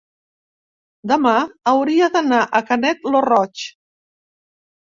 Demà hauria d'anar a Canet lo Roig.